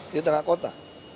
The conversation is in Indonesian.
di tengah kota